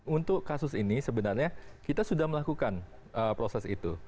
untuk kasus ini sebenarnya kita sudah melakukan proses itu